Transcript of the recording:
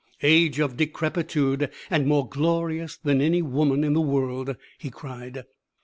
_" "Age of decrepitude! And more glorious than any woman in the world!" he cried.